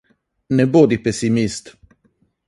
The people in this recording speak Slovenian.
Ne bodi pesimist!